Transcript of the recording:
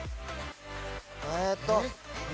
えっと。